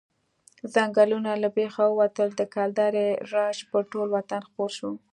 ځنګلونه له بېخه ووتل، د کلدارې راج پر ټول وطن خپور شو.